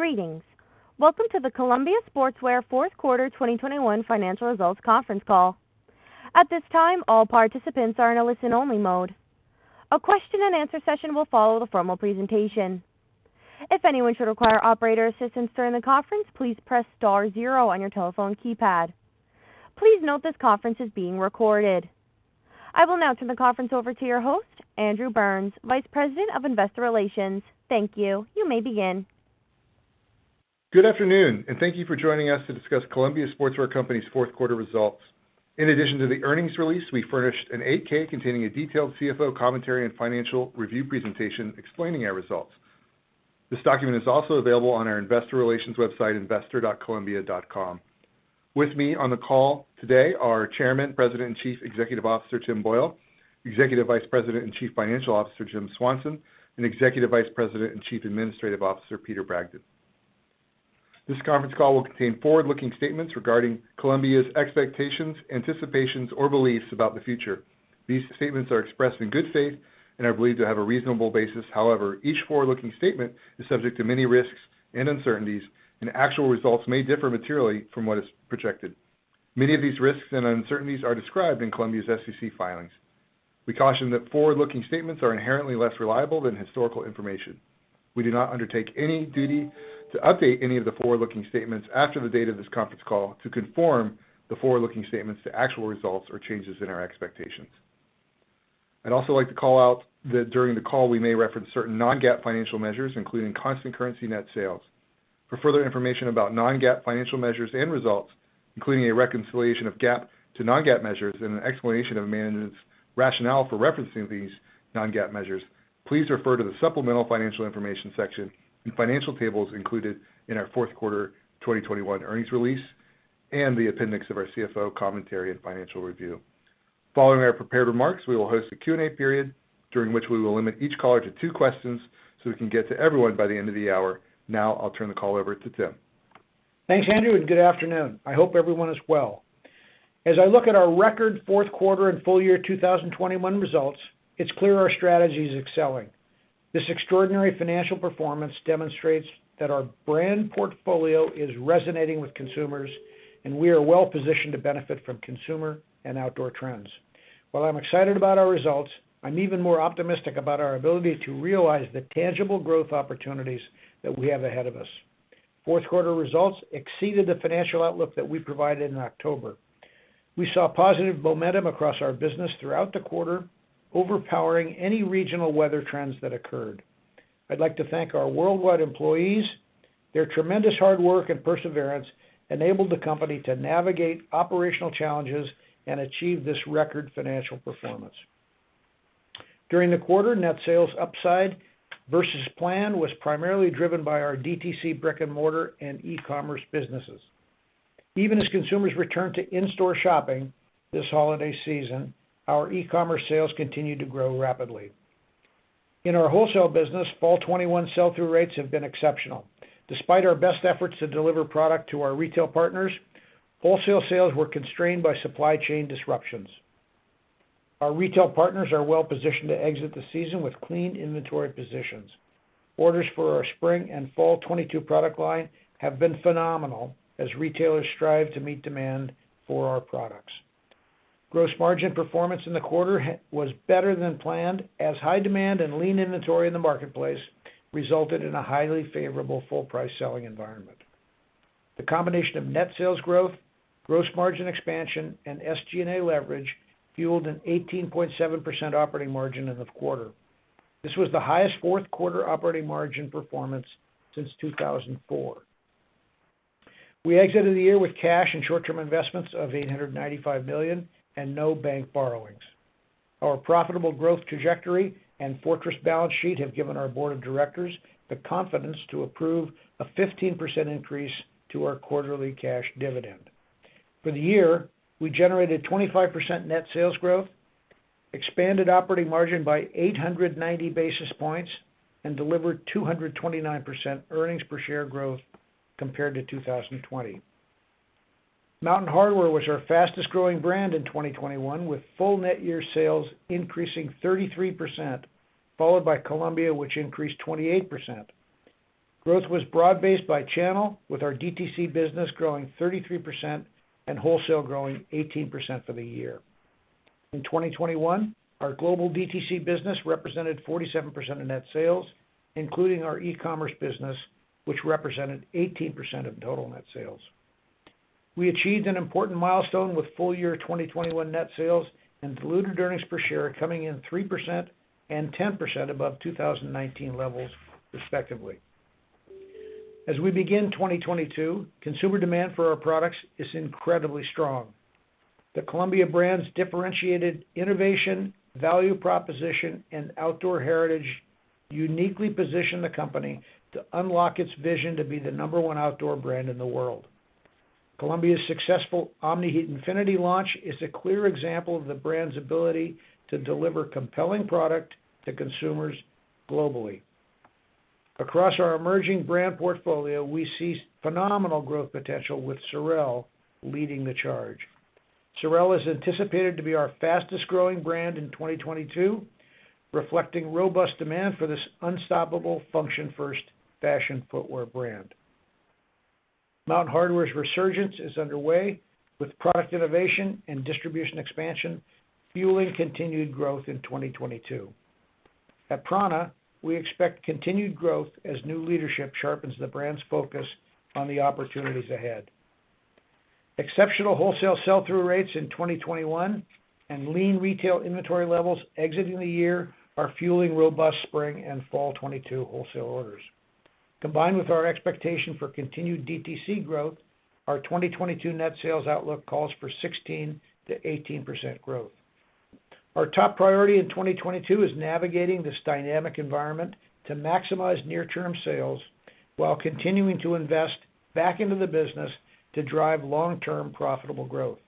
Greetings. Welcome to the Columbia Sportswear fourth quarter 2021 financial results conference call. At this time, all participants are in a listen-only mode. A question-and-answer session will follow the formal presentation. If anyone should require operator assistance during the conference, please press star zero on your telephone keypad. Please note this conference is being recorded. I will now turn the conference over to your host, Andrew Burns, Vice President of Investor Relations. Thank you. You may begin. Good afternoon, and thank you for joining us to discuss Columbia Sportswear Company's fourth quarter results. In addition to the earnings release, we furnished an 8-K containing a detailed CFO commentary and financial review presentation explaining our results. This document is also available on our investor relations website, investor.columbia.com. With me on the call today are Chairman, President, and Chief Executive Officer, Tim Boyle, Executive Vice President and Chief Financial Officer, Jim Swanson, and Executive Vice President and Chief Administrative Officer, Peter Bragdon. This conference call will contain forward-looking statements regarding Columbia's expectations, anticipations, or beliefs about the future. These statements are expressed in good faith and are believed to have a reasonable basis. However, each forward-looking statement is subject to many risks and uncertainties, and actual results may differ materially from what is projected. Many of these risks and uncertainties are described in Columbia's SEC filings. We caution that forward-looking statements are inherently less reliable than historical information. We do not undertake any duty to update any of the forward-looking statements after the date of this conference call to conform the forward-looking statements to actual results or changes in our expectations. I'd also like to call out that during the call we may reference certain non-GAAP financial measures, including constant currency net sales. For further information about non-GAAP financial measures and results, including a reconciliation of GAAP to non-GAAP measures and an explanation of management's rationale for referencing these non-GAAP measures, please refer to the supplemental financial information section and financial tables included in our fourth quarter 2021 earnings release and the appendix of our CFO commentary and financial review. Following our prepared remarks, we will host a Q&A period during which we will limit each caller to two questions so we can get to everyone by the end of the hour. Now I'll turn the call over to Tim. Thanks, Andrew, and good afternoon. I hope everyone is well. As I look at our record fourth quarter and full year 2021 results, it's clear our strategy is excelling. This extraordinary financial performance demonstrates that our brand portfolio is resonating with consumers, and we are well positioned to benefit from consumer and outdoor trends. While I'm excited about our results, I'm even more optimistic about our ability to realize the tangible growth opportunities that we have ahead of us. Fourth quarter results exceeded the financial outlook that we provided in October. We saw positive momentum across our business throughout the quarter, overpowering any regional weather trends that occurred. I'd like to thank our worldwide employees. Their tremendous hard work and perseverance enabled the company to navigate operational challenges and achieve this record financial performance. During the quarter, net sales upside versus plan was primarily driven by our DTC brick-and-mortar and e-commerce businesses. Even as consumers returned to in-store shopping this holiday season, our e-commerce sales continued to grow rapidly. In our wholesale business, fall 2021 sell-through rates have been exceptional. Despite our best efforts to deliver product to our retail partners, wholesale sales were constrained by supply chain disruptions. Our retail partners are well positioned to exit the season with clean inventory positions. Orders for our spring and fall 2022 product line have been phenomenal as retailers strive to meet demand for our products. Gross margin performance in the quarter was better than planned, as high demand and lean inventory in the marketplace resulted in a highly favorable full price selling environment. The combination of net sales growth, gross margin expansion, and SG&A leverage fueled an 18.7% operating margin in the quarter. This was the highest fourth quarter operating margin performance since 2004. We exited the year with cash and short-term investments of $895 million and no bank borrowings. Our profitable growth trajectory and fortress balance sheet have given our board of directors the confidence to approve a 15% increase to our quarterly cash dividend. For the year, we generated 25% net sales growth, expanded operating margin by 890 basis points, and delivered 229% earnings per share growth compared to 2020. Mountain Hardwear was our fastest-growing brand in 2021, with full net year sales increasing 33%, followed by Columbia, which increased 28%. Growth was broad-based by channel, with our DTC business growing 33% and wholesale growing 18% for the year. In 2021, our global DTC business represented 47% of net sales, including our e-commerce business, which represented 18% of total net sales. We achieved an important milestone with full year 2021 net sales and diluted earnings per share coming in 3% and 10% above 2019 levels respectively. As we begin 2022, consumer demand for our products is incredibly strong. The Columbia brand's differentiated innovation, value proposition, and outdoor heritage uniquely position the company to unlock its vision to be the number one outdoor brand in the world. Columbia's successful Omni-Heat Infinity launch is a clear example of the brand's ability to deliver compelling product to consumers globally. Across our emerging brand portfolio, we see phenomenal growth potential, with SOREL leading the charge. SOREL is anticipated to be our fastest-growing brand in 2022, reflecting robust demand for this unstoppable function-first fashion footwear brand. Mountain Hardwear's resurgence is underway with product innovation and distribution expansion fueling continued growth in 2022. At prAna, we expect continued growth as new leadership sharpens the brand's focus on the opportunities ahead. Exceptional wholesale sell-through rates in 2021 and lean retail inventory levels exiting the year are fueling robust spring and fall 2022 wholesale orders. Combined with our expectation for continued DTC growth, our 2022 net sales outlook calls for 16%-18% growth. Our top priority in 2022 is navigating this dynamic environment to maximize near-term sales while continuing to invest back into the business to drive long-term profitable growth.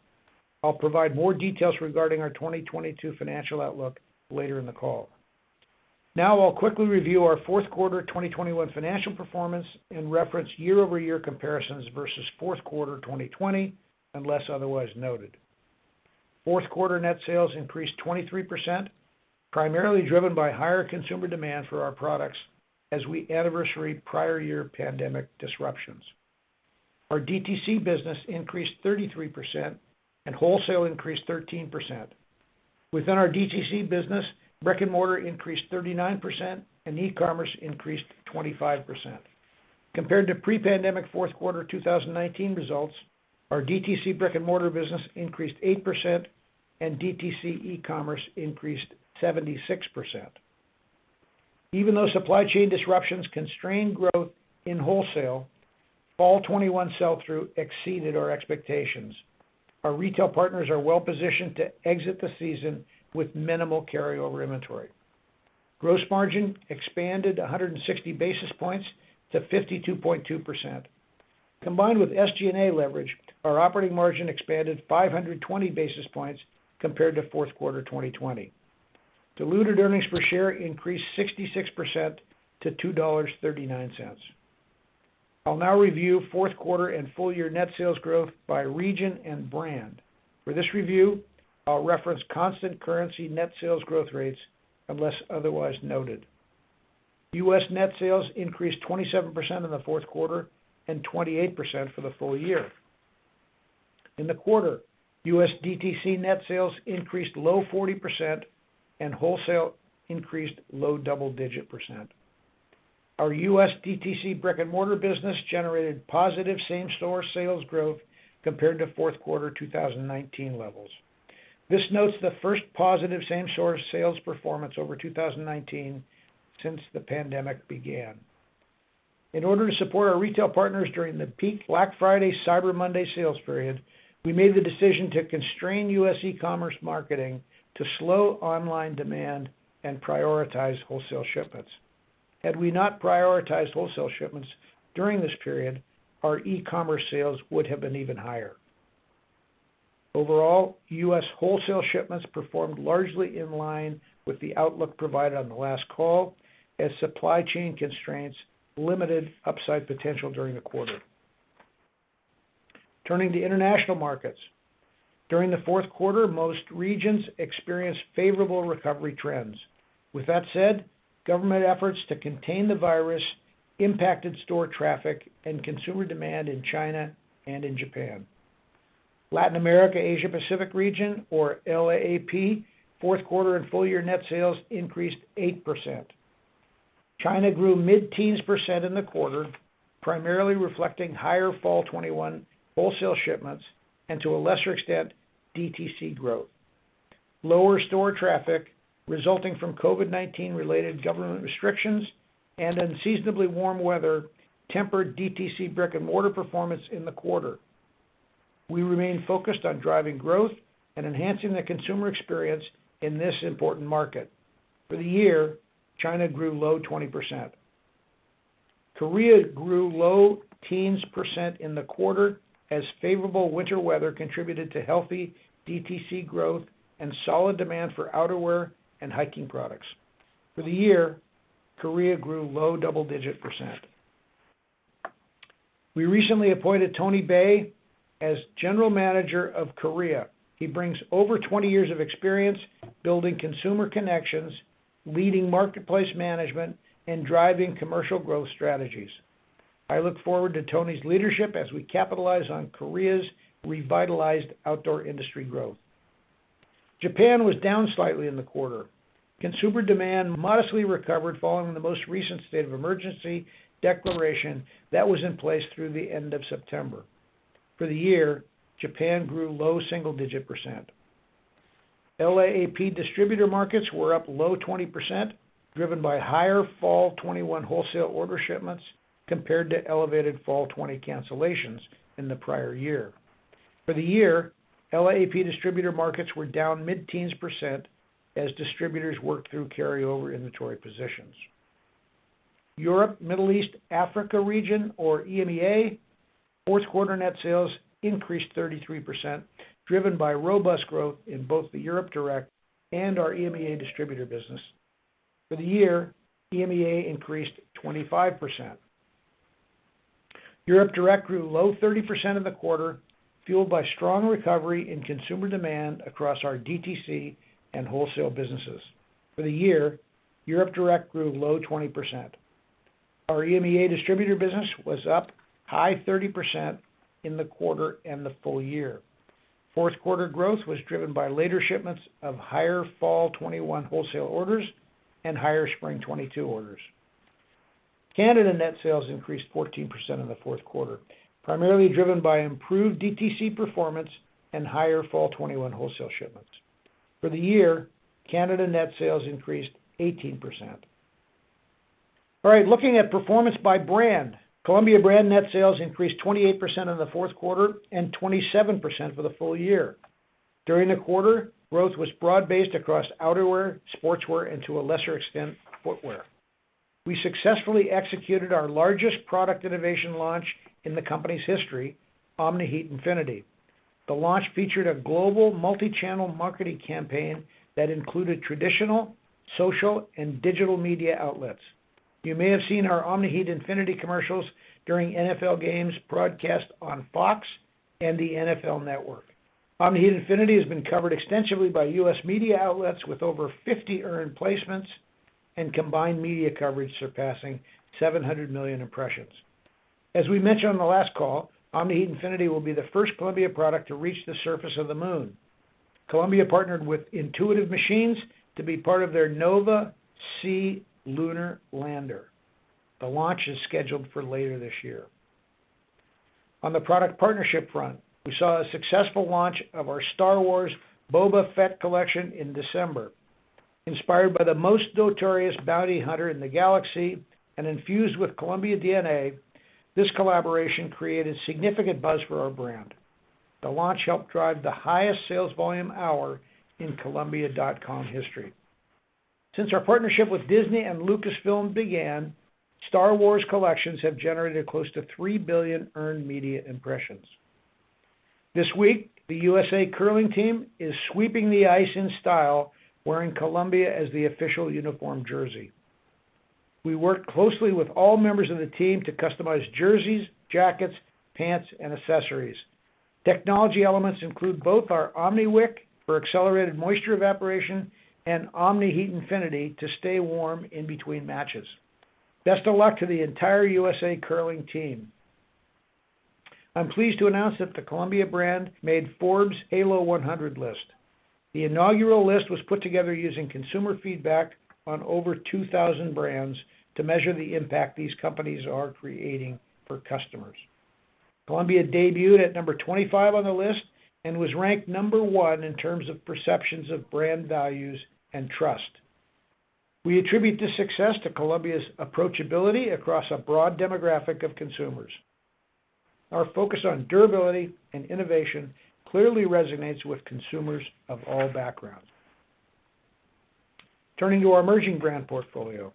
I'll provide more details regarding our 2022 financial outlook later in the call. Now I'll quickly review our fourth quarter of 2021 financial performance and reference year-over-year comparisons versus fourth quarter of 2020, unless otherwise noted. Fourth quarter net sales increased 23%, primarily driven by higher consumer demand for our products as we anniversary prior year pandemic disruptions. Our DTC business increased 33% and wholesale increased 13%. Within our DTC business, brick-and-mortar increased 39% and e-commerce increased 25%. Compared to pre-pandemic fourth quarter 2019 results, our DTC brick-and-mortar business increased 8% and DTC e-commerce increased 76%. Even though supply chain disruptions constrained growth in wholesale, fall 2021 sell-through exceeded our expectations. Our retail partners are well-positioned to exit the season with minimal carryover inventory. Gross margin expanded 160 basis points to 52.2%. Combined with SG&A leverage, our operating margin expanded 520 basis points compared to fourth quarter of 2020. Diluted earnings per share increased 66% to $2.39. I'll now review fourth quarter and full year net sales growth by region and brand. For this review, I'll reference constant currency net sales growth rates, unless otherwise noted. U.S. net sales increased 27% in the fourth quarter and 28% for the full year. In the quarter, U.S. DTC net sales increased low 40% and wholesale increased low double-digit %. Our U.S. DTC brick-and-mortar business generated positive same-store sales growth compared to fourth quarter 2019 levels. This marks the first positive same-store sales performance over 2019 since the pandemic began. In order to support our retail partners during the peak Black Friday, Cyber Monday sales period, we made the decision to constrain U.S. e-commerce marketing to slow online demand and prioritize wholesale shipments. Had we not prioritized wholesale shipments during this period, our e-commerce sales would have been even higher. Overall, U.S. wholesale shipments performed largely in line with the outlook provided on the last call as supply chain constraints limited upside potential during the quarter. Turning to international markets. During the fourth quarter, most regions experienced favorable recovery trends. With that said, government efforts to contain the virus impacted store traffic and consumer demand in China and in Japan. Latin America, Asia Pacific region or LAAP, fourth quarter and full year net sales increased 8%. China grew mid-teens% in the quarter, primarily reflecting higher fall 2021 wholesale shipments and to a lesser extent, DTC growth. Lower store traffic resulting from COVID-19 related government restrictions and unseasonably warm weather tempered DTC brick-and-mortar performance in the quarter. We remain focused on driving growth and enhancing the consumer experience in this important market. For the year, China grew low 20%. Korea grew low teens % in the quarter as favorable winter weather contributed to healthy DTC growth and solid demand for outerwear and hiking products. For the year, Korea grew low double-digit %. We recently appointed Tony Bae as General Manager of Korea. He brings over 20 years of experience building consumer connections, leading marketplace management, and driving commercial growth strategies. I look forward to Tony's leadership as we capitalize on Korea's revitalized outdoor industry growth. Japan was down slightly in the quarter. Consumer demand modestly recovered following the most recent state of emergency declaration that was in place through the end of September. For the year, Japan grew low single-digit %. LAAP distributor markets were up low 20%, driven by higher fall 2021 wholesale order shipments compared to elevated fall 2020 cancellations in the prior year. For the year, LAAP distributor markets were down mid-teens % as distributors worked through carryover inventory positions. Europe, Middle East, Africa region or EMEA, fourth quarter net sales increased 33%, driven by robust growth in both the Europe direct and our EMEA distributor business. For the year, EMEA increased 25%. Europe direct grew low 30% in the quarter, fueled by strong recovery in consumer demand across our DTC and wholesale businesses. For the year, Europe direct grew low 20%. Our EMEA distributor business was up high 30% in the quarter and the full year. Fourth quarter growth was driven by later shipments of higher fall 2021 wholesale orders and higher spring 2022 orders. Canada net sales increased 14% in the fourth quarter, primarily driven by improved DTC performance and higher fall 2021 wholesale shipments. For the year, Canada net sales increased 18%. All right, looking at performance by brand. Columbia brand net sales increased 28% in the fourth quarter and 27% for the full year. During the quarter, growth was broad-based across outerwear, sportswear, and to a lesser extent, footwear. We successfully executed our largest product innovation launch in the company's history, Omni-Heat Infinity. The launch featured a global multi-channel marketing campaign that included traditional, social, and digital media outlets. You may have seen our Omni-Heat Infinity commercials during NFL games broadcast on Fox and the NFL Network. Omni-Heat Infinity has been covered extensively by U.S. media outlets with over 50 earned placements and combined media coverage surpassing 700 million impressions. As we mentioned on the last call, Omni-Heat Infinity will be the first Columbia product to reach the surface of the Moon. Columbia partnered with Intuitive Machines to be part of their Nova-C lunar lander. The launch is scheduled for later this year. On the product partnership front, we saw a successful launch of our Star Wars Boba Fett collection in December. Inspired by the most notorious bounty hunter in the galaxy and infused with Columbia DNA, this collaboration created significant buzz for our brand. The launch helped drive the highest sales volume hour in columbia.com history. Since our partnership with Disney and Lucasfilm began, Star Wars collections have generated close to 3 billion earned media impressions. This week, the USA Curling team is sweeping the ice in style, wearing Columbia as the official uniform jersey. We work closely with all members of the team to customize jerseys, jackets, pants, and accessories. Technology elements include both our Omni-Wick for accelerated moisture evaporation and Omni-Heat Infinity to stay warm in between matches. Best of luck to the entire USA Curling team. I'm pleased to announce that the Columbia brand made Forbes Halo 100 list. The inaugural list was put together using consumer feedback on over 2,000 brands to measure the impact these companies are creating for customers. Columbia debuted at number 25 on the list and was ranked number 1 in terms of perceptions of brand values and trust. We attribute this success to Columbia's approachability across a broad demographic of consumers. Our focus on durability and innovation clearly resonates with consumers of all backgrounds. Turning to our emerging brand portfolio.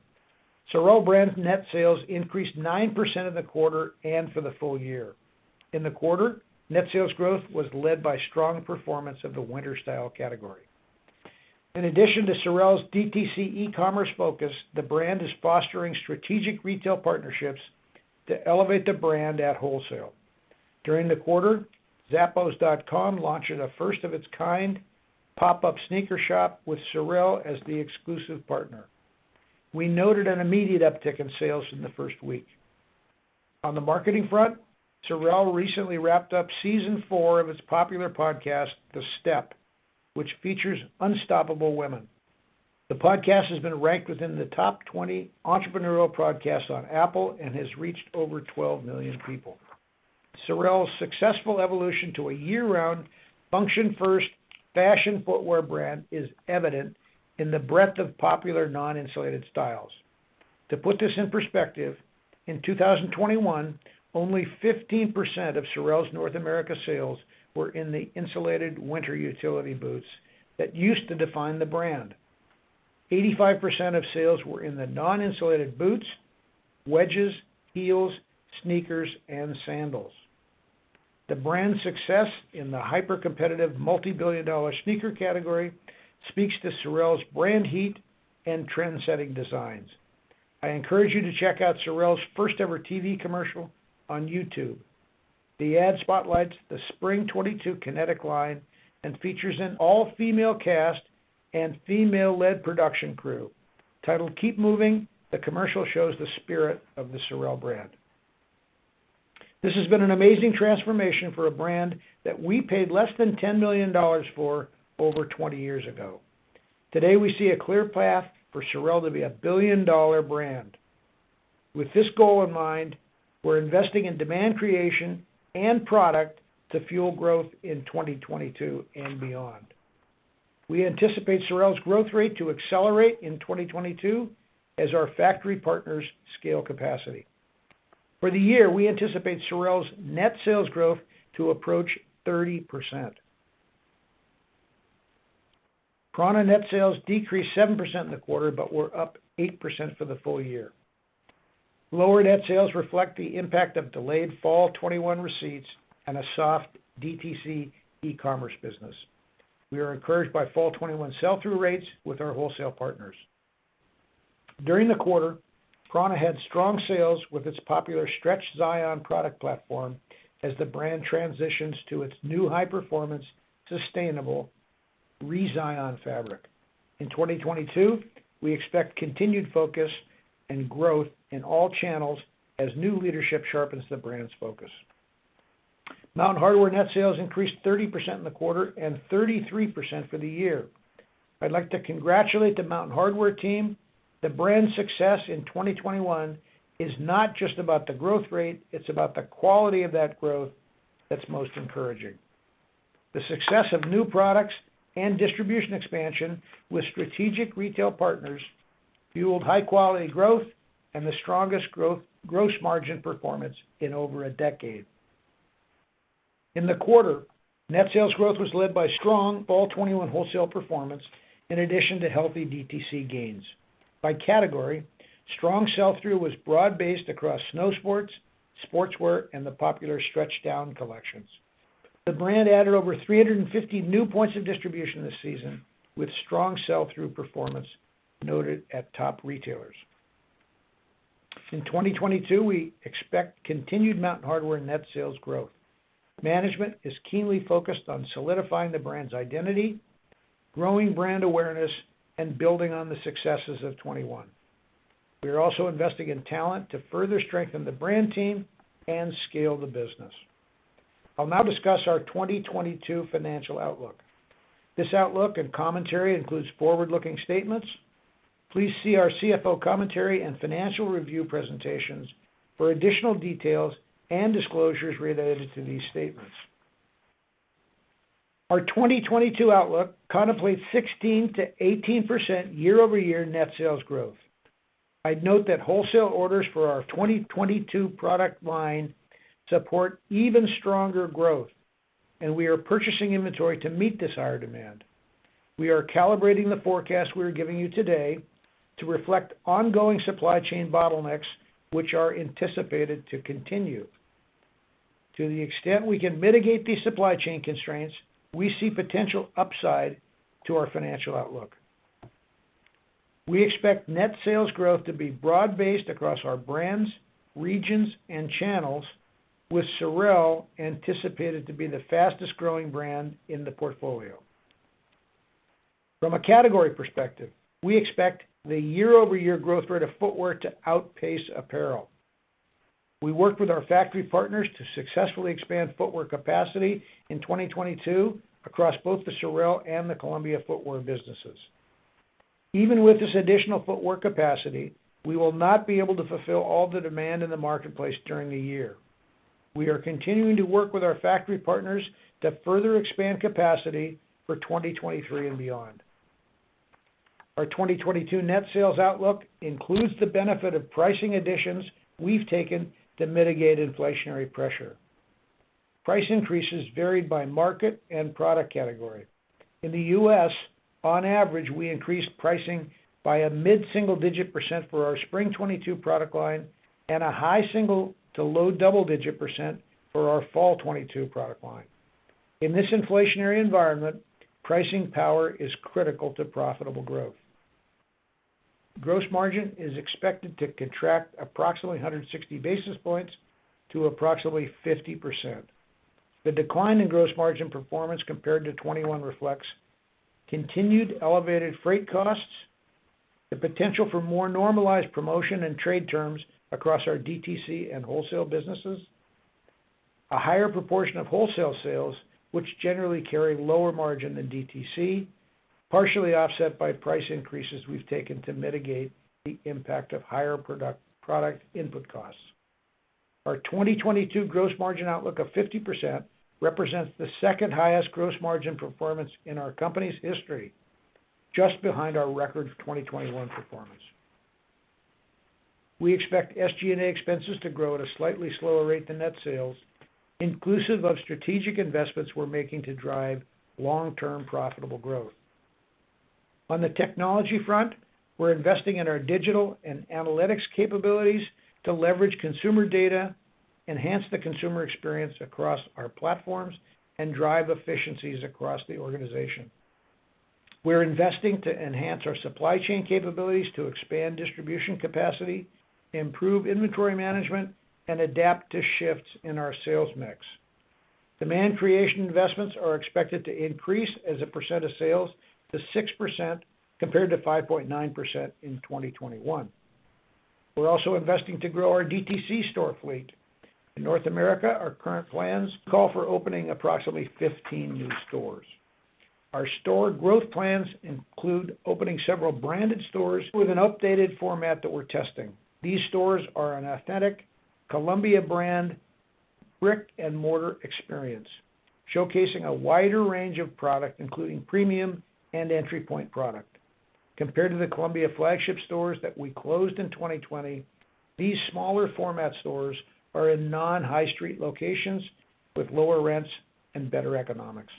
SOREL brand net sales increased 9% in the quarter and for the full year. In the quarter, net sales growth was led by strong performance of the winter style category. In addition to SOREL's DTC e-commerce focus, the brand is fostering strategic retail partnerships to elevate the brand at wholesale. During the quarter, zappos.com launched a first-of-its-kind pop-up sneaker shop with SOREL as the exclusive partner. We noted an immediate uptick in sales in the first week. On the marketing front, SOREL recently wrapped up season 4 of its popular podcast, The Step, which features unstoppable women. The podcast has been ranked within the top 20 entrepreneurial podcasts on Apple and has reached over 12 million people. SOREL's successful evolution to a year-round, function first, fashion footwear brand is evident in the breadth of popular non-insulated styles. To put this in perspective, in 2021, only 15% of SOREL's North America sales were in the insulated winter utility boots that used to define the brand. 85% of sales were in the non-insulated boots, wedges, heels, sneakers, and sandals. The brand's success in the hyper-competitive multi-billion-dollar sneaker category speaks to SOREL's brand heat and trendsetting designs. I encourage you to check out SOREL's first-ever TV commercial on YouTube. The ad spotlights the spring '22 kinetic line and features an all-female cast and female-led production crew. Titled "Keep Moving," the commercial shows the spirit of the SOREL brand. This has been an amazing transformation for a brand that we paid less than $10 million for over 20 years ago. Today, we see a clear path for SOREL to be a billion-dollar brand. With this goal in mind, we're investing in demand creation and product to fuel growth in 2022 and beyond. We anticipate SOREL's growth rate to accelerate in 2022 as our factory partners scale capacity. For the year, we anticipate SOREL's net sales growth to approach 30%. prAna net sales decreased 7% in the quarter, but were up 8% for the full year. Lower net sales reflect the impact of delayed fall 2021 receipts and a soft DTC e-commerce business. We are encouraged by fall 2021 sell-through rates with our wholesale partners. During the quarter, prAna had strong sales with its popular Stretch Zion product platform as the brand transitions to its new high-performance, sustainable ReZion fabric. In 2022, we expect continued focus and growth in all channels as new leadership sharpens the brand's focus. Mountain Hardwear net sales increased 30% in the quarter and 33% for the year. I'd like to congratulate the Mountain Hardwear team. The brand's success in 2021 is not just about the growth rate, it's about the quality of that growth that's most encouraging. The success of new products and distribution expansion with strategic retail partners fueled high-quality growth and the strongest gross margin performance in over a decade. In the quarter, net sales growth was led by strong fall 2021 wholesale performance in addition to healthy DTC gains. By category, strong sell-through was broad-based across snow sports, sportswear, and the popular Stretchdown collections. The brand added over 350 new points of distribution this season, with strong sell-through performance noted at top retailers. In 2022, we expect continued Mountain Hardwear net sales growth. Management is keenly focused on solidifying the brand's identity, growing brand awareness, and building on the successes of 2021. We are also investing in talent to further strengthen the brand team and scale the business. I'll now discuss our 2022 financial outlook. This outlook and commentary includes forward-looking statements. Please see our CFO commentary and financial review presentations for additional details and disclosures related to these statements. Our 2022 outlook contemplates 16%-18% year-over-year net sales growth. I'd note that wholesale orders for our 2022 product line support even stronger growth, and we are purchasing inventory to meet this higher demand. We are calibrating the forecast we are giving you today to reflect ongoing supply chain bottlenecks, which are anticipated to continue. To the extent we can mitigate these supply chain constraints, we see potential upside to our financial outlook. We expect net sales growth to be broad-based across our brands, regions, and channels, with SOREL anticipated to be the fastest-growing brand in the portfolio. From a category perspective, we expect the year-over-year growth rate of footwear to outpace apparel. We worked with our factory partners to successfully expand footwear capacity in 2022 across both the SOREL and the Columbia Footwear businesses. Even with this additional footwear capacity, we will not be able to fulfill all the demand in the marketplace during the year. We are continuing to work with our factory partners to further expand capacity for 2023 and beyond. Our 2022 net sales outlook includes the benefit of pricing additions we've taken to mitigate inflationary pressure. Price increases varied by market and product category. In the U.S., on average, we increased pricing by a mid-single-digit% for our spring 2022 product line and a high-single- to low-double-digit% for our fall 2022 product line. In this inflationary environment, pricing power is critical to profitable growth. Gross margin is expected to contract approximately 160 basis points to approximately 50%. The decline in gross margin performance compared to 2021 reflects continued elevated freight costs, the potential for more normalized promotion and trade terms across our DTC and wholesale businesses, a higher proportion of wholesale sales, which generally carry lower margin than DTC, partially offset by price increases we've taken to mitigate the impact of higher product input costs. Our 2022 gross margin outlook of 50% represents the second-highest gross margin performance in our company's history, just behind our record 2021 performance. We expect SG&A expenses to grow at a slightly slower rate than net sales, inclusive of strategic investments we're making to drive long-term profitable growth. On the technology front, we're investing in our digital and analytics capabilities to leverage consumer data, enhance the consumer experience across our platforms, and drive efficiencies across the organization. We're investing to enhance our supply chain capabilities to expand distribution capacity, improve inventory management, and adapt to shifts in our sales mix. Demand creation investments are expected to increase as a percent of sales to 6% compared to 5.9% in 2021. We're also investing to grow our DTC store fleet. In North America, our current plans call for opening approximately 15 new stores. Our store growth plans include opening several branded stores with an updated format that we're testing. These stores are an authentic Columbia brand brick-and-mortar experience, showcasing a wider range of product, including premium and entry point product. Compared to the Columbia flagship stores that we closed in 2020, these smaller format stores are in non-high street locations with lower rents and better economics.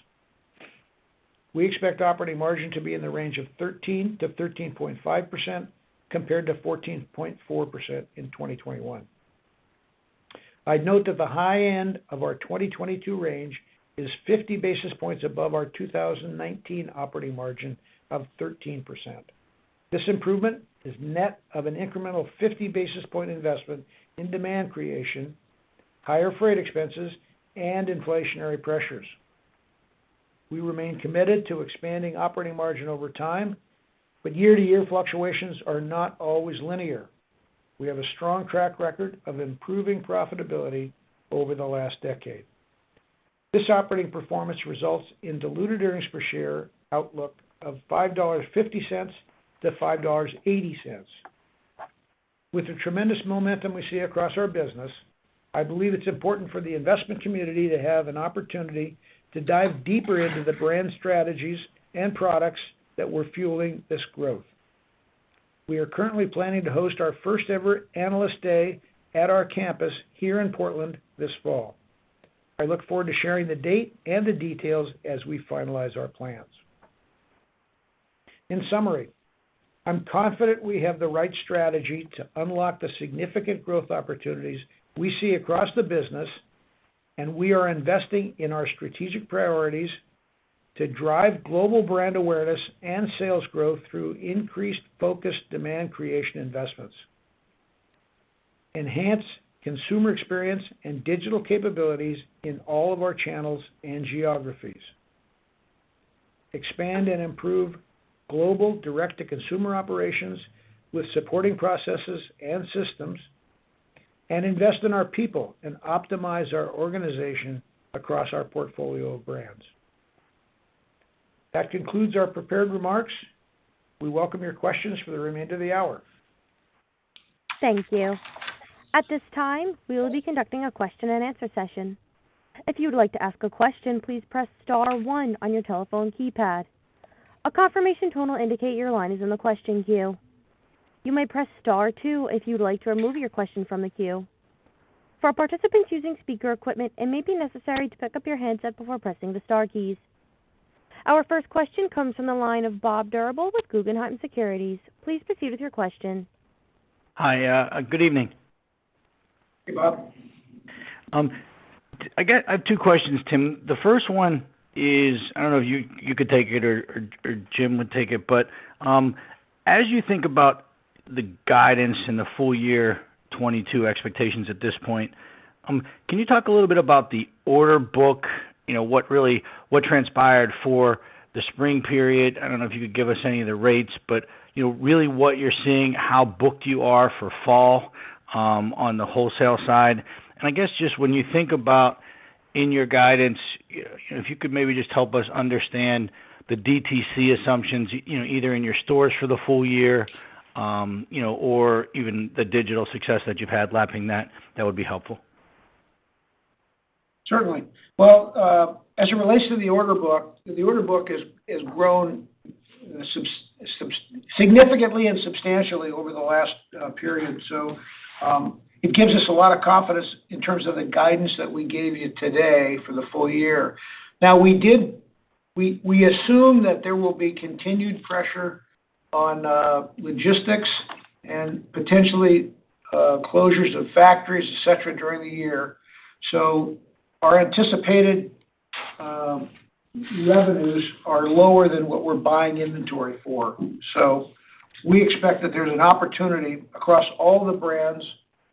We expect operating margin to be in the range of 13%-13.5% compared to 14.4% in 2021. I'd note that the high end of our 2022 range is 50 basis points above our 2019 operating margin of 13%. This improvement is net of an incremental 50 basis point investment in demand creation, higher freight expenses, and inflationary pressures. We remain committed to expanding operating margin over time, but year-to-year fluctuations are not always linear. We have a strong track record of improving profitability over the last decade. This operating performance results in diluted earnings per share outlook of $5.50-$5.80. With the tremendous momentum we see across our business, I believe it's important for the investment community to have an opportunity to dive deeper into the brand strategies and products that we're fueling this growth. We are currently planning to host our first-ever Analyst Day at our campus here in Portland this fall. I look forward to sharing the date and the details as we finalize our plans. In summary, I'm confident we have the right strategy to unlock the significant growth opportunities we see across the business, and we are investing in our strategic priorities to drive global brand awareness and sales growth through increased focused demand creation investments, enhance consumer experience and digital capabilities in all of our channels and geographies, expand and improve global direct-to-consumer operations with supporting processes and systems, and invest in our people and optimize our organization across our portfolio of brands. That concludes our prepared remarks. We welcome your questions for the remainder of the hour. Thank you. At this time, we will be conducting a question-and-answer session. If you would like to ask a question, please press star one on your telephone keypad. A confirmation tone will indicate your line is in the question queue. You may press star two if you'd like to remove your question from the queue. For participants using speaker equipment, it may be necessary to pick up your handset before pressing the star keys. Our first question comes from the line of Bob Drbul with Guggenheim Securities. Please proceed with your question. Hi. Good evening. Hey, Bob. I have two questions, Tim. The first one is, I don't know if you could take it or Jim would take it. As you think about the guidance in the full year 2022 expectations at this point, can you talk a little bit about the order book? You know, what transpired for the spring period? I don't know if you could give us any of the rates, but you know, really what you're seeing, how booked you are for fall, on the wholesale side. I guess just when you think about in your guidance, if you could maybe just help us understand the DTC assumptions, you know, either in your stores for the full year, you know, or even the digital success that you've had lapping that would be helpful. Certainly. Well, as it relates to the order book, the order book has grown significantly and substantially over the last period. It gives us a lot of confidence in terms of the guidance that we gave you today for the full year. Now, we assume that there will be continued pressure on logistics and potentially closures of factories, et cetera, during the year. Our anticipated revenues are lower than what we're buying inventory for. We expect that there's an opportunity across all the brands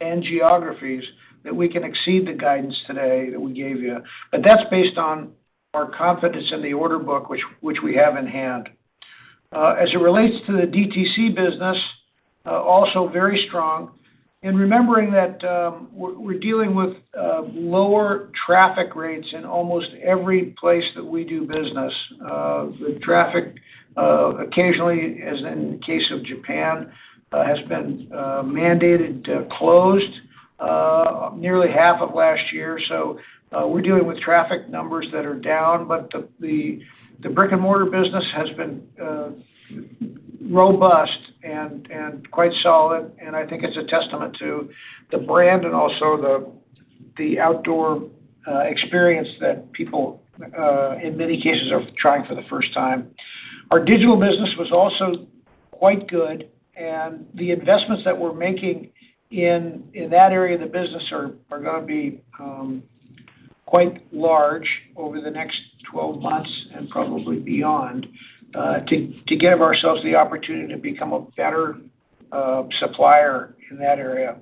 and geographies that we can exceed the guidance today that we gave you. That's based on our confidence in the order book, which we have in hand. As it relates to the DTC business, also very strong. Remembering that, we're dealing with lower traffic rates in almost every place that we do business. The traffic occasionally, as in the case of Japan, has been mandated closed nearly half of last year. We're dealing with traffic numbers that are down. The brick-and-mortar business has been robust and quite solid, and I think it's a testament to the brand and also the outdoor experience that people in many cases are trying for the first time. Our digital business was also quite good, and the investments that we're making in that area of the business are gonna be quite large over the next 12 months and probably beyond, to give ourselves the opportunity to become a better supplier in that area.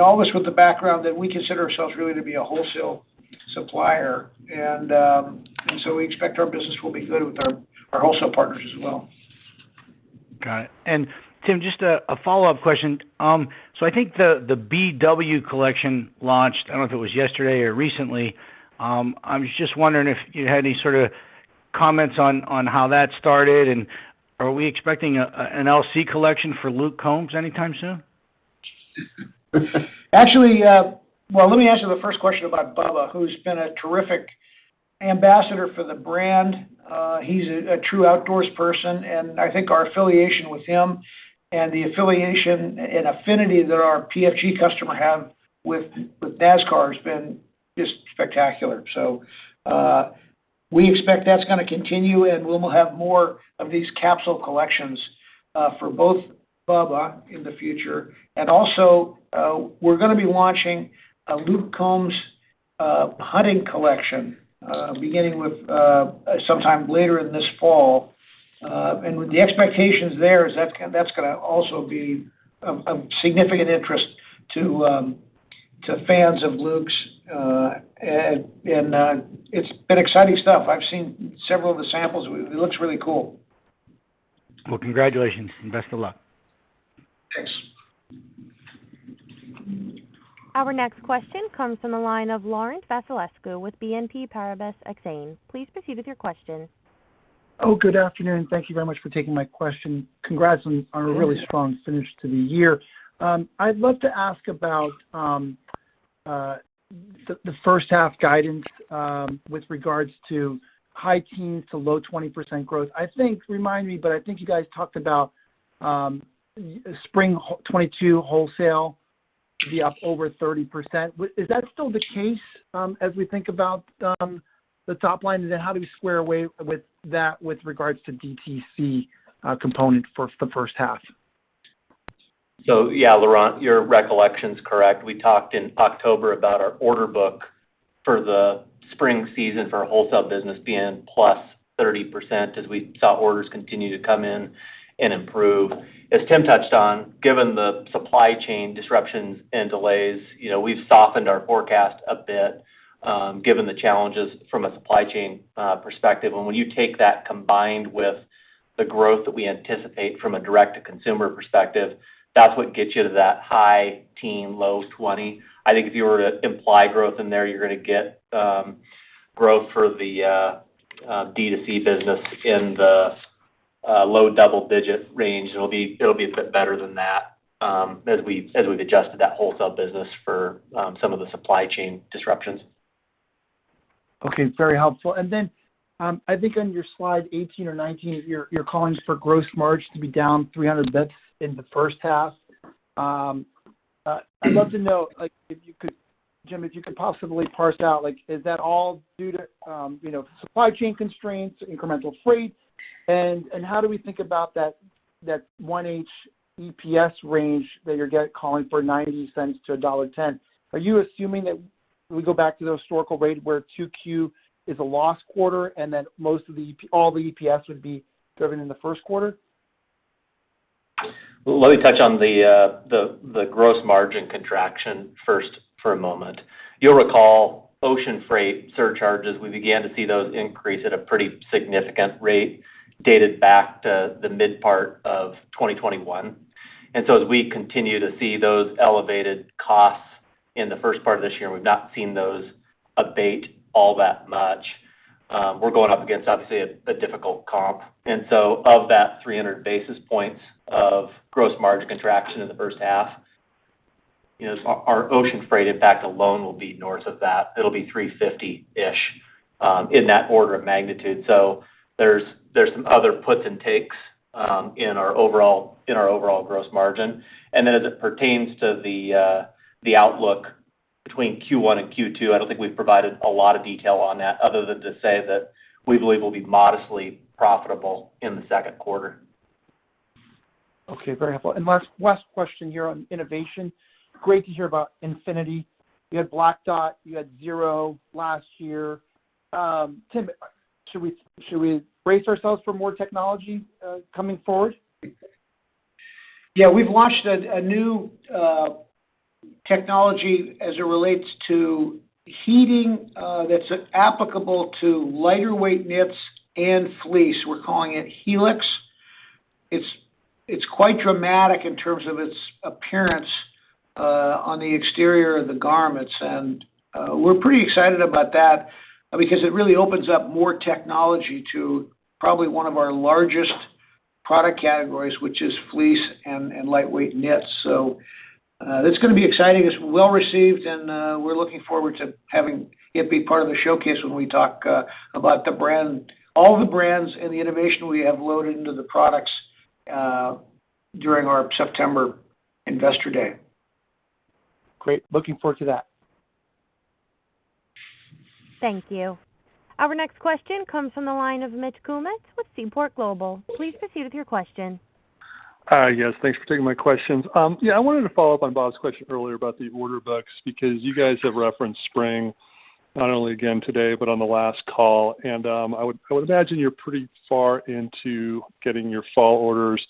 All this with the background that we consider ourselves really to be a wholesale supplier. We expect our business will be good with our wholesale partners as well. Got it. Tim, just a follow-up question. I think the BW collection launched. I don't know if it was yesterday or recently. I was just wondering if you had any sort of comments on how that started, and are we expecting an LC collection for Luke Combs anytime soon? Actually, well, let me answer the first question about Bubba, who's been a terrific ambassador for the brand. He's a true outdoors person, and I think our affiliation with him and the affiliation and affinity that our PFG customer have with NASCAR has been just spectacular. We expect that's gonna continue, and we'll have more of these capsule collections for both Bubba in the future. Also, we're gonna be launching a Luke Combs hunting collection beginning sometime later in this fall. And with the expectations there is that's gonna also be of significant interest to fans of Luke's. It's been exciting stuff. I've seen several of the samples. It looks really cool. Well, congratulations, and best of luck. Thanks. Our next question comes from the line of Laurent Vasilescu with Exane BNP Paribas. Please proceed with your question. Good afternoon. Thank you very much for taking my question. Congrats on a really strong finish to the year. I'd love to ask about the first half guidance with regards to high teens to low 20% growth. I think, remind me, but I think you guys talked about spring 2022 wholesale to be up over 30%. Is that still the case as we think about the top line? How do we square away with that with regards to DTC component for the first half? Laurent, your recollection's correct. We talked in October about our order book for the spring season for our wholesale business being plus 30% as we saw orders continue to come in and improve. As Tim touched on, given the supply chain disruptions and delays, you know, we've softened our forecast a bit, given the challenges from a supply chain perspective. When you take that combined with the growth that we anticipate from a direct-to-consumer perspective, that's what gets you to that high teens, low 20s. I think if you were to imply growth in there, you're gonna get growth for the D2C business in the low double-digit range. It'll be a bit better than that, as we've adjusted that wholesale business for some of the supply chain disruptions. Okay. It's very helpful. Then, I think on your slide 18 or 19, you're calling for gross margin to be down 300 basis points in the first half. I'd love to know, like if you could—Jim, if you could possibly parse out, like, is that all due to, you know, supply chain constraints, incremental fleets? And how do we think about that 1H EPS range that you're calling for $0.90-$1.10? Are you assuming that we go back to the historical rate where 2Q is a lost quarter, and then most of all the EPS would be driven in the first quarter? Let me touch on the gross margin contraction first for a moment. You'll recall ocean freight surcharges, we began to see those increase at a pretty significant rate dated back to the mid part of 2021. As we continue to see those elevated costs in the first part of this year, and we've not seen those abate all that much, we're going up against obviously a difficult comp. Of that 300 basis points of gross margin contraction in the first half, you know, our ocean freight impact alone will be north of that. It'll be 350-ish in that order of magnitude. There's some other puts and takes in our overall gross margin. As it pertains to the outlook between Q1 and Q2, I don't think we've provided a lot of detail on that other than to say that we believe we'll be modestly profitable in the second quarter. Okay. Very helpful. Last question here on innovation. Great to hear about Infinity. You had Black Dot, you had Zero last year. Tim, should we brace ourselves for more technology coming forward? Yeah. We've launched a new technology as it relates to heating that's applicable to lighter weight knits and fleece. We're calling it Helix. It's quite dramatic in terms of its appearance on the exterior of the garments. We're pretty excited about that because it really opens up more technology to probably one of our largest product categories, which is fleece and lightweight knits. That's gonna be exciting. It's well received, and we're looking forward to having it be part of the showcase when we talk about the brand, all the brands and the innovation we have loaded into the products during our September Investor Day. Great. Looking forward to that. Thank you. Our next question comes from the line of Mitch Kummetz with Seaport Global. Please proceed with your question. Hi. Yes, thanks for taking my questions. Yeah, I wanted to follow up on Bob's question earlier about the order books because you guys have referenced spring not only again today, but on the last call. I would imagine you're pretty far into getting your fall orders.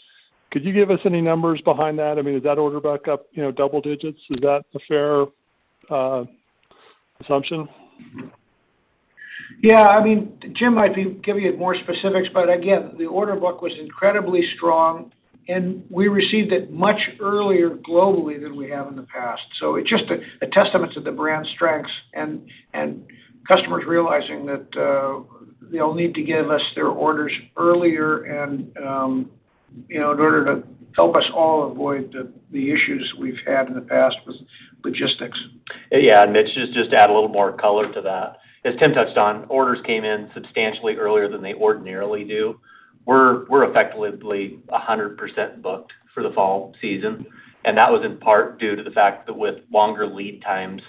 Could you give us any numbers behind that? I mean, is that order backlog, you know, double digits? Is that a fair assumption? Yeah. I mean, Jim might be giving you more specifics, but again, the order book was incredibly strong, and we received it much earlier globally than we have in the past. It's just a testament to the brand strengths and customers realizing that they'll need to give us their orders earlier and you know, in order to help us all avoid the issues we've had in the past with logistics. Mitch, to add a little more color to that. As Tim touched on, orders came in substantially earlier than they ordinarily do. We're effectively 100% booked for the fall season, and that was in part due to the fact that with longer lead times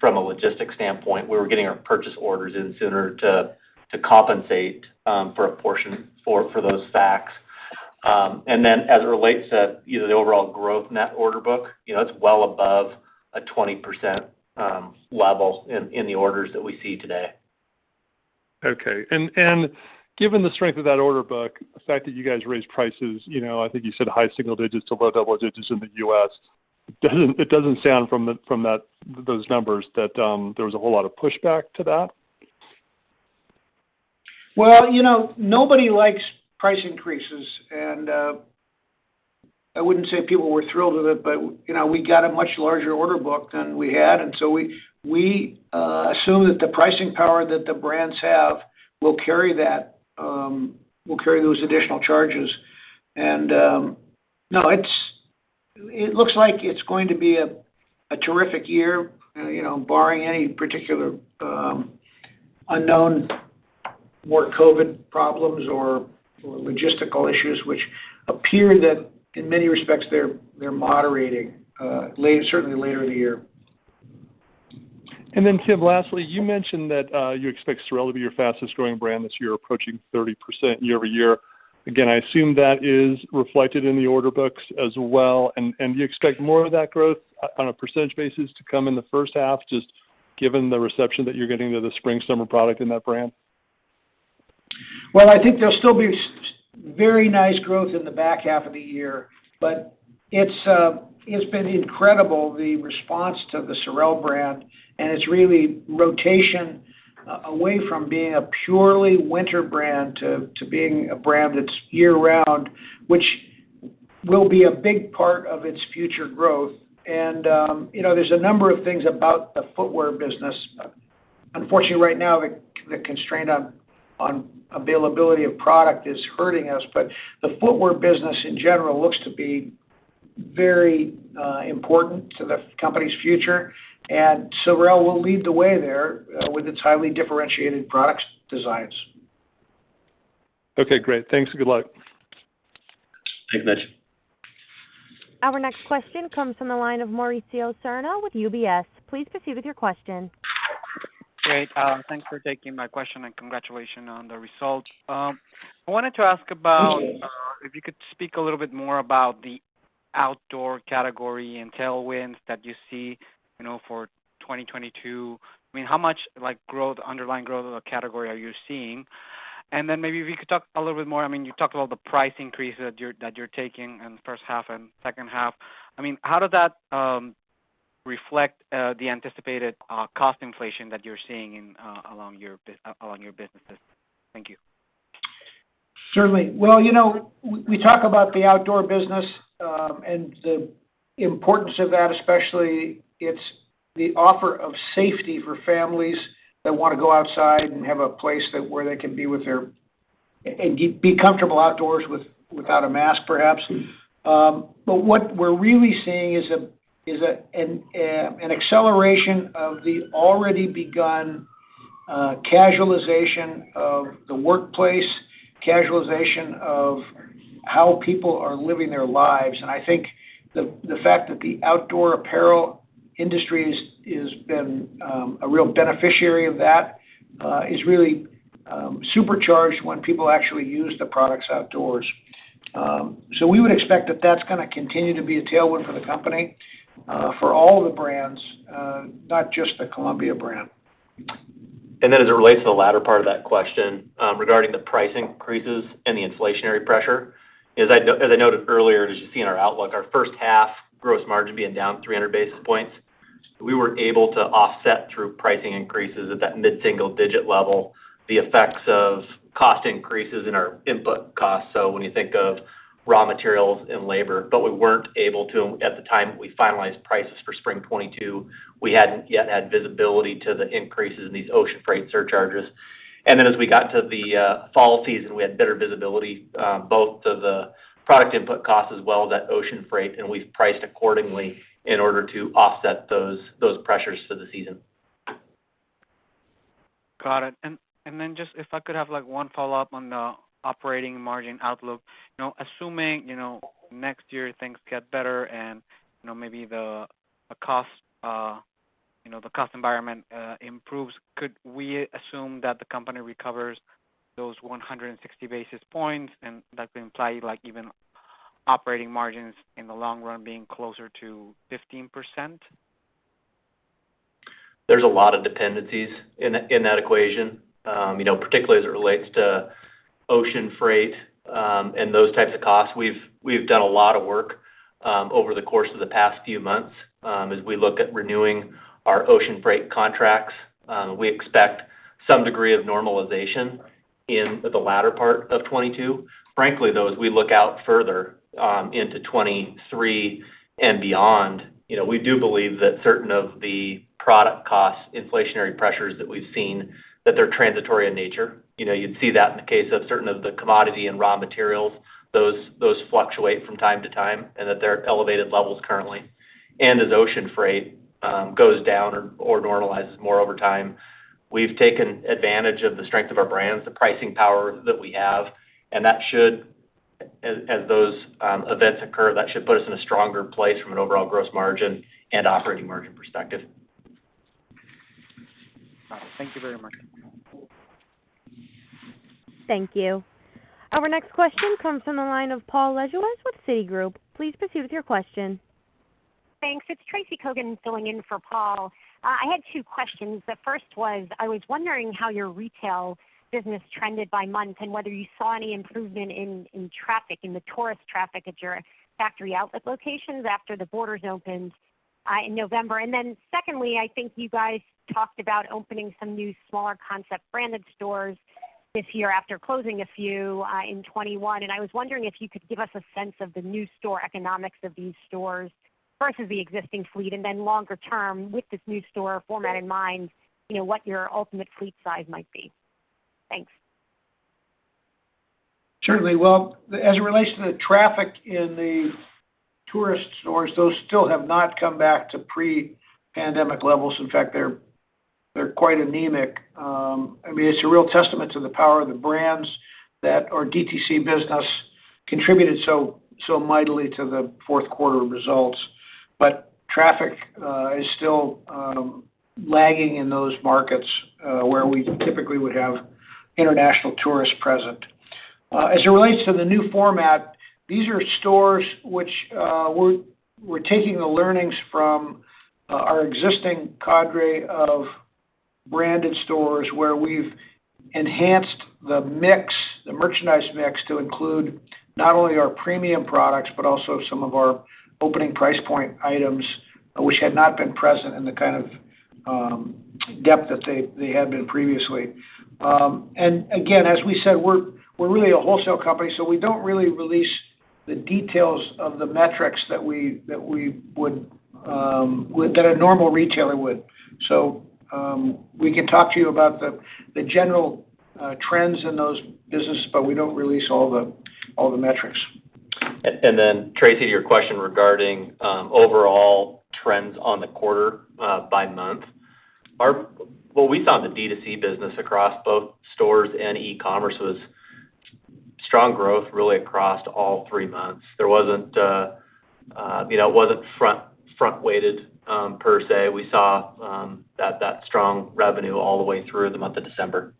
from a logistics standpoint, we were getting our purchase orders in sooner to compensate for a portion for those factors. Then as it relates to either the overall growth in that order book, you know, it's well above a 20% level in the orders that we see today. Okay. Given the strength of that order book, the fact that you guys raised prices, you know, I think you said high single digits to low double digits in the U.S., it doesn't sound from that, those numbers that there was a whole lot of pushback to that. Well, you know, nobody likes price increases, and I wouldn't say people were thrilled with it, but you know, we got a much larger order book than we had. We assume that the pricing power that the brands have will carry those additional charges. No, it looks like it's going to be a terrific year, you know, barring any particular unknown, more COVID problems or logistical issues, which appear that in many respects they're moderating, certainly later in the year. Tim, lastly, you mentioned that you expect SOREL to be your fastest growing brand this year, approaching 30% year-over-year. Again, I assume that is reflected in the order books as well. Do you expect more of that growth on a percentage basis to come in the first half, just given the reception that you're getting to the spring/summer product in that brand? Well, I think there'll still be very nice growth in the back half of the year, but it's been incredible the response to the SOREL brand, and it's really rotating away from being a purely winter brand to being a brand that's year-round, which will be a big part of its future growth. You know, there's a number of things about the footwear business. Unfortunately right now, the constraint on availability of product is hurting us, but the footwear business in general looks to be very important to the company's future. SOREL will lead the way there with its highly differentiated product designs. Okay, great. Thanks and good luck. Thanks, Mitch. Our next question comes from the line of Mauricio Serna with UBS. Please proceed with your question. Great. Thanks for taking my question and congratulations on the results. I wanted to ask about if you could speak a little bit more about the outdoor category and tailwinds that you see, you know, for 2022. I mean, how much like growth, underlying growth of the category are you seeing? And then maybe if you could talk a little bit more, I mean, you talked about the price increase that you're taking in the first half and second half. I mean, how does that reflect the anticipated cost inflation that you're seeing in along your businesses? Thank you. Certainly. Well, you know, we talk about the outdoor business and the importance of that, especially it's the offer of safety for families that wanna go outside and have a place where they can be with their and be comfortable outdoors without a mask, perhaps. But what we're really seeing is an acceleration of the already begun casualization of the workplace, casualization of how people are living their lives. I think the fact that the outdoor apparel industry has been a real beneficiary of that is really supercharged when people actually use the products outdoors. We would expect that that's gonna continue to be a tailwind for the company, for all the brands, not just the Columbia brand. As it relates to the latter part of that question, regarding the price increases and the inflationary pressure, as I noted earlier, as you see in our outlook, our first half gross margin being down 300 basis points, we were able to offset through pricing increases at that mid-single digit level, the effects of cost increases in our input costs. When you think of raw materials and labor, but we weren't able to, at the time we finalized prices for spring 2022, we hadn't yet had visibility to the increases in these ocean freight surcharges. As we got to the fall season, we had better visibility both to the product input costs as well as that ocean freight, and we've priced accordingly in order to offset those pressures for the season. Got it. Just if I could have like one follow-up on the operating margin outlook. You know, assuming, you know, next year things get better and, you know, maybe the cost environment improves, could we assume that the company recovers those 160 basis points, and that can imply like even operating margins in the long run being closer to 15%? There's a lot of dependencies in that equation. You know, particularly as it relates to ocean freight and those types of costs. We've done a lot of work over the course of the past few months as we look at renewing our ocean freight contracts. We expect some degree of normalization in the latter part of 2022. Frankly, though, as we look out further into 2023 and beyond, you know, we do believe that certain of the product costs, inflationary pressures that we've seen, that they're transitory in nature. You know, you'd see that in the case of certain of the commodity and raw materials, those fluctuate from time to time, and at their elevated levels currently. As ocean freight goes down or normalizes more over time, we've taken advantage of the strength of our brands, the pricing power that we have, and as those events occur, that should put us in a stronger place from an overall gross margin and operating margin perspective. All right. Thank you very much. Thank you. Our next question comes from the line of Paul Lejuez with Citigroup. Please proceed with your question. Thanks. It's Tracy Kogan filling in for Paul. I had two questions. The first was, I was wondering how your retail business trended by month and whether you saw any improvement in traffic, in the tourist traffic at your factory outlet locations after the borders opened in November. Then secondly, I think you guys talked about opening some new smaller concept branded stores this year after closing a few in 2021. I was wondering if you could give us a sense of the new store economics of these stores versus the existing fleet, and then longer term, with this new store format in mind, you know, what your ultimate fleet size might be. Thanks. Certainly. Well, as it relates to the traffic in the tourist stores, those still have not come back to pre-pandemic levels. In fact, they're quite anemic. I mean, it's a real testament to the power of the brands that our DTC business contributed so mightily to the fourth quarter results. But traffic is still lagging in those markets where we typically would have international tourists present. As it relates to the new format, these are stores which we're taking the learnings from our existing cadre of branded stores where we've enhanced the mix, the merchandise mix to include not only our premium products, but also some of our opening price point items which had not been present in the kind of depth that they had been previously. Again, as we said, we're really a wholesale company, so we don't really release the details of the metrics that a normal retailer would. We can talk to you about the general trends in those business, but we don't release all the metrics. Tracy, your question regarding overall trends on the quarter by month. What we saw on the D2C business across both stores and e-commerce was strong growth really across all three months. There wasn't you know it wasn't front-weighted per se. We saw that strong revenue all the way through the month of December.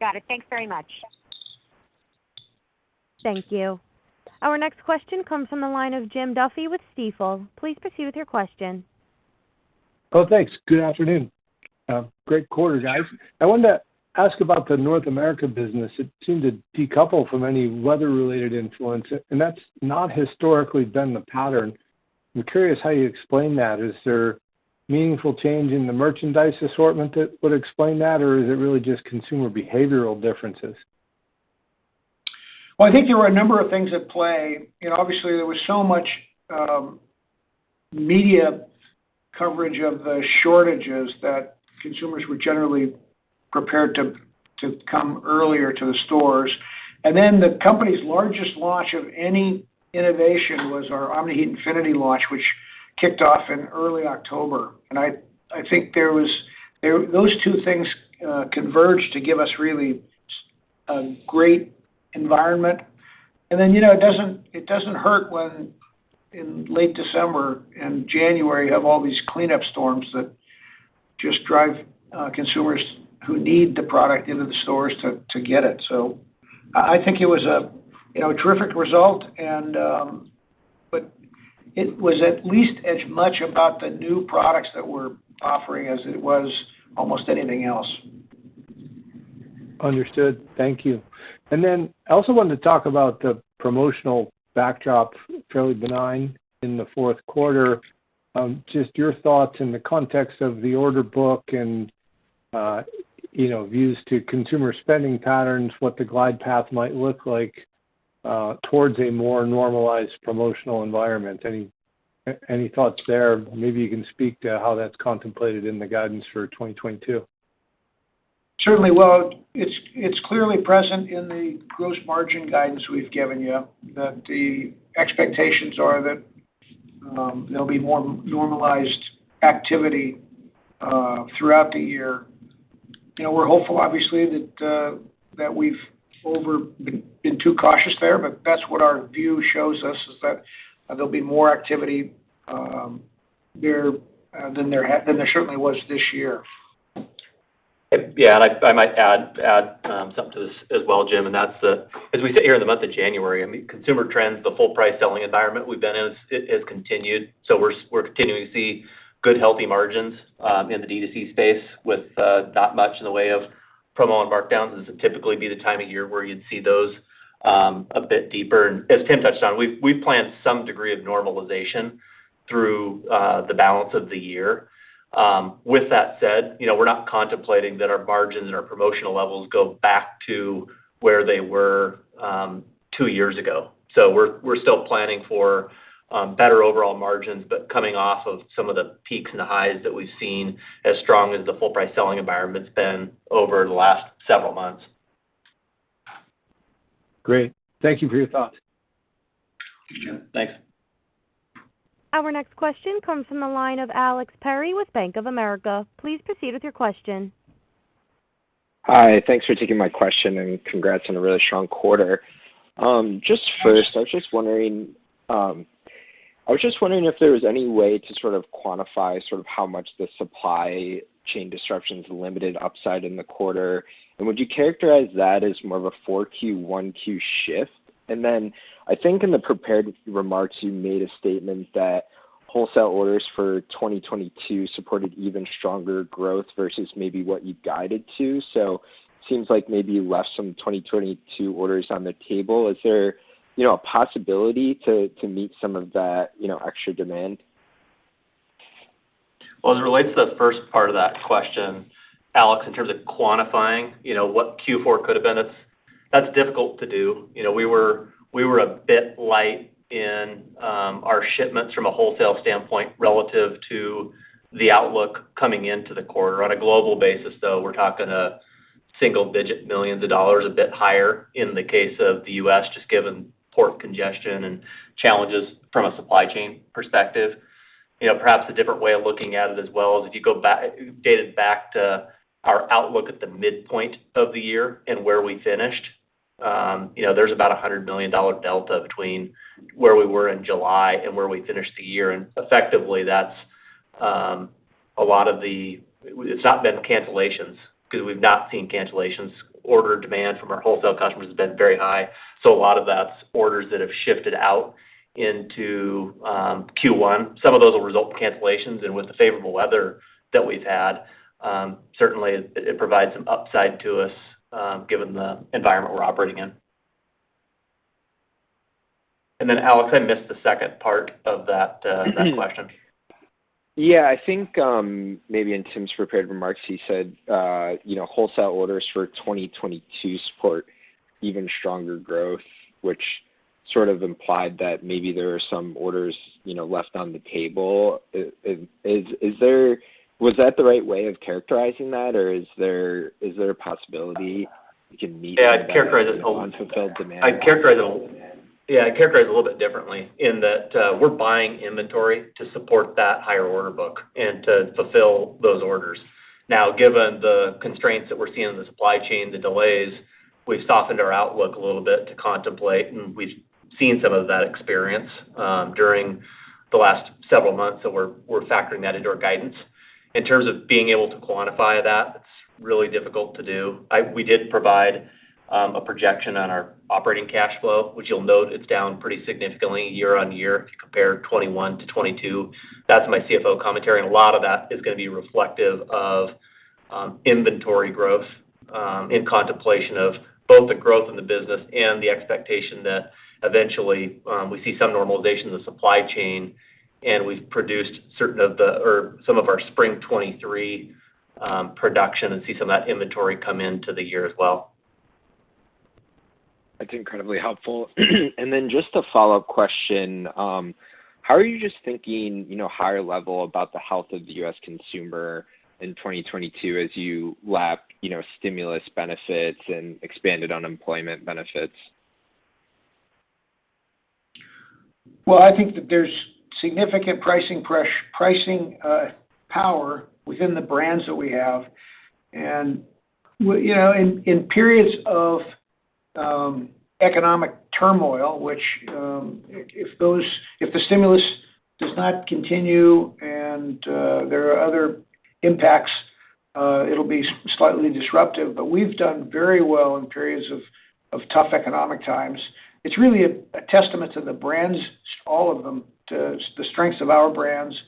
Got it. Thanks very much. Thank you. Our next question comes from the line of Jim Duffy with Stifel. Please proceed with your question. Oh, thanks. Good afternoon. Great quarter, guys. I wanted to ask about the North America business. It seemed to decouple from any weather-related influence, and that's not historically been the pattern. I'm curious how you explain that. Is there meaningful change in the merchandise assortment that would explain that, or is it really just consumer behavioral differences? Well, I think there were a number of things at play. You know, obviously, there was so much media coverage of the shortages that consumers were generally prepared to come earlier to the stores. The company's largest launch of any innovation was our Omni-Heat Infinity launch, which kicked off in early October. I think those two things converged to give us really a great environment. You know, it doesn't hurt when in late December and January, you have all these cleanup storms that just drive consumers who need the product into the stores to get it. I think it was you know, a terrific result, but it was at least as much about the new products that we're offering as it was almost anything else. Understood. Thank you. I also wanted to talk about the promotional backdrop, fairly benign in the fourth quarter. Just your thoughts in the context of the order book and, you know, views to consumer spending patterns, what the glide path might look like, towards a more normalized promotional environment. Any thoughts there? Maybe you can speak to how that's contemplated in the guidance for 2022. Certainly. Well, it's clearly present in the gross margin guidance we've given you, that the expectations are that there'll be more normalized activity throughout the year. You know, we're hopeful obviously that we've been too cautious there, but that's what our view shows us, is that there'll be more activity there than there certainly was this year. Yeah. I might add something to this as well, Jim, and that's the as we sit here in the month of January. I mean, consumer trends, the full price selling environment we've been in, it has continued. We're continuing to see good, healthy margins in the D2C space with not much in the way of promo and markdowns, as it typically would be the time of year where you'd see those a bit deeper. As Tim touched on, we've planned some degree of normalization through the balance of the year. With that said, you know, we're not contemplating that our margins and our promotional levels go back to where they were two years ago. We're still planning for better overall margins, but coming off of some of the peaks and the highs that we've seen as strong as the full price selling environment's been over the last several months. Great. Thank you for your thoughts. Sure. Thanks. Our next question comes from the line of Alex Perry with Bank of America. Please proceed with your question. Hi. Thanks for taking my question, and congrats on a really strong quarter. Just first, I was just wondering if there was any way to sort of quantify sort of how much the supply chain disruptions limited upside in the quarter. Would you characterize that as more of a 4Q, 1Q shift? Then I think in the prepared remarks, you made a statement that wholesale orders for 2022 supported even stronger growth versus maybe what you guided to. Seems like maybe you left some 2022 orders on the table. Is there, you know, a possibility to meet some of that, you know, extra demand? Well, as it relates to the first part of that question, Alex, in terms of quantifying, you know, what Q4 could have been, it's difficult to do. You know, we were a bit light in our shipments from a wholesale standpoint relative to the outlook coming into the quarter. On a global basis, though, we're talking single-digit millions of dollars, a bit higher in the case of the U.S., just given port congestion and challenges from a supply chain perspective. You know, perhaps a different way of looking at it as well is if you take us back to our outlook at the midpoint of the year and where we finished, you know, there's about a $100 million delta between where we were in July and where we finished the year. Effectively, that's a lot of the It's not been cancellations because we've not seen cancellations. Order demand from our wholesale customers has been very high. A lot of that's orders that have shifted out into Q1. Some of those will result in cancellations, and with the favorable weather that we've had, certainly it provides some upside to us, given the environment we're operating in. Alex, I missed the second part of that question. Yeah, I think maybe in Tim's prepared remarks, he said, you know, wholesale orders for 2022 support even stronger growth, which sort of implied that maybe there are some orders, you know, left on the table. Was that the right way of characterizing that, or is there a possibility you can meet- Yeah, I'd characterize it a little. unfulfilled demand? Yeah, I'd characterize it a little bit differently in that, we're buying inventory to support that higher order book and to fulfill those orders. Now, given the constraints that we're seeing in the supply chain, the delays, we've softened our outlook a little bit to contemplate, and we've seen some of that experience during the last several months, so we're factoring that into our guidance. In terms of being able to quantify that, it's really difficult to do. We did provide a projection on our operating cash flow, which you'll note it's down pretty significantly year-over-year if you compare 2021 to 2022. That's my CFO commentary, and a lot of that is gonna be reflective of inventory growth in contemplation of both the growth in the business and the expectation that eventually we see some normalization of the supply chain, and we've produced some of our spring 2023 production and see some of that inventory come into the year as well. That's incredibly helpful. Just a follow-up question. How are you just thinking, you know, higher level about the health of the U.S. consumer in 2022 as you lap, you know, stimulus benefits and expanded unemployment benefits? Well, I think that there's significant pricing power within the brands that we have. You know, in periods of economic turmoil, which, if the stimulus does not continue and there are other impacts, it'll be slightly disruptive. We've done very well in periods of tough economic times. It's really a testament to the brands, all of them, the strengths of our brands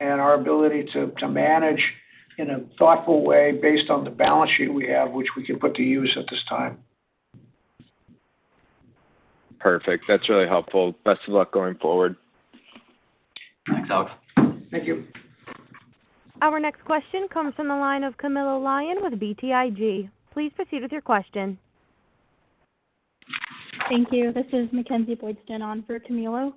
and our ability to manage in a thoughtful way based on the balance sheet we have, which we can put to use at this time. Perfect. That's really helpful. Best of luck going forward. Thanks, Alex. Thank you. Our next question comes from the line of Camilo Lyon with BTIG. Please proceed with your question. Thank you. This is Mackenzie Boydston on for Camilo.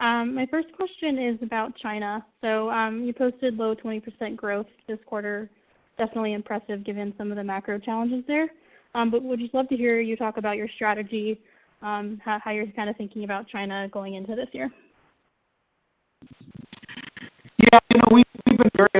My first question is about China. You posted low 20% growth this quarter. Definitely impressive given some of the macro challenges there. Would just love to hear you talk about your strategy, how you're kind of thinking about China going into this year. Yeah. You know, we've been very open about the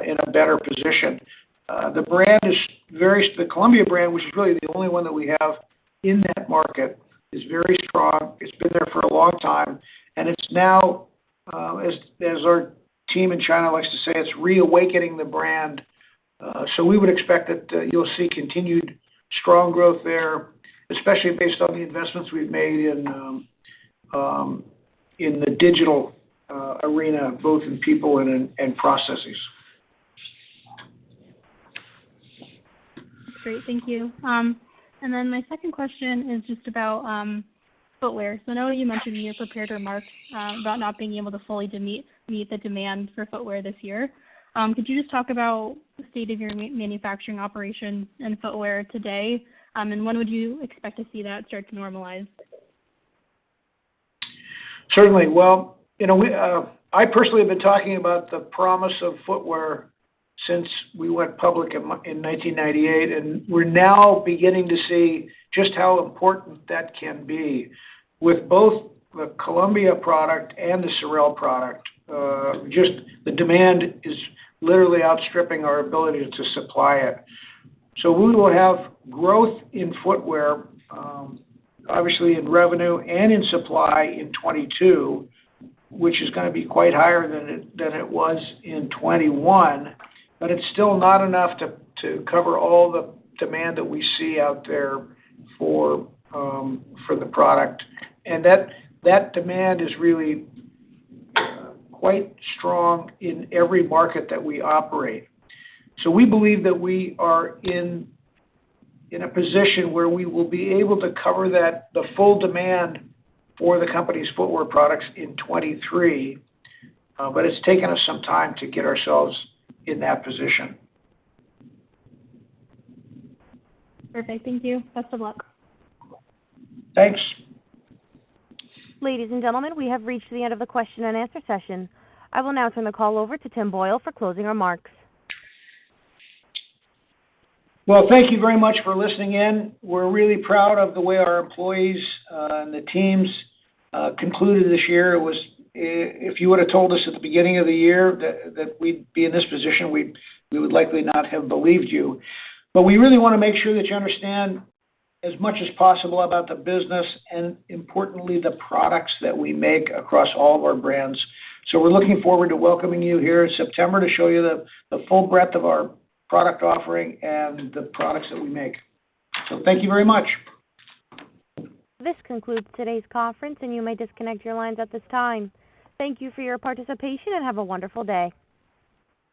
fact that we've underperformed in China. It's a huge market. We've been clear, it truly is the largest single geographic area for the company in terms of opportunity. It's great to see a turnaround in that market. We think we have the beginnings of a great growth there. We have a new management team in place, as I think we've told you, and we have a high degree of confidence that we've got the right approach there to get ourselves in a better position. The Columbia brand, which is really the only one that we have in that market, is very strong. It's been there for a long time, and it's now, as our team in China likes to say, it's reawakening the brand. We would expect that you'll see continued strong growth there, especially based on the investments we've made in the digital arena, both in people and in processes. Great. Thank you. My second question is just about footwear. I know you mentioned in your prepared remarks about not being able to fully meet the demand for footwear this year. Could you just talk about the state of your manufacturing operations in footwear today? When would you expect to see that start to normalize? Certainly. Well, you know, we I personally have been talking about the promise of footwear since we went public in 1998, and we're now beginning to see just how important that can be. With both the Columbia product and the SOREL product, just the demand is literally outstripping our ability to supply it. We will have growth in footwear, obviously in revenue and in supply in 2022, which is gonna be quite higher than it was in 2021, but it's still not enough to cover all the demand that we see out there for the product. That demand is really quite strong in every market that we operate. We believe that we are in a position where we will be able to cover the full demand for the company's footwear products in 2023, but it's taken us some time to get ourselves in that position. Perfect. Thank you. Best of luck. Thanks. Ladies and gentlemen, we have reached the end of the question and answer session. I will now turn the call over to Tim Boyle for closing remarks. Well, thank you very much for listening in. We're really proud of the way our employees and the teams concluded this year. If you would've told us at the beginning of the year that we'd be in this position, we would likely not have believed you. We really wanna make sure that you understand as much as possible about the business and importantly, the products that we make across all of our brands. We're looking forward to welcoming you here in September to show you the full breadth of our product offering and the products that we make. Thank you very much. This concludes today's conference, and you may disconnect your lines at this time. Thank you for your participation, and have a wonderful day.